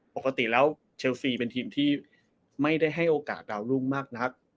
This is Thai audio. ปกติแล้วเชลซีเป็นทีมที่ไม่ได้ให้โอกาสดาวรุ่งมากนัก